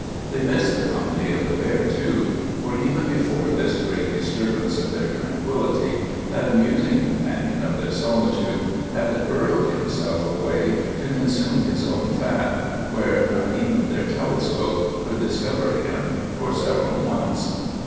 They missed the company of the bear, too; for even before this great disturbance of their tranquillity that amusing companion of their solitude had burrowed himself away, to consume his own fat, where not even their telescope could discover him for several months.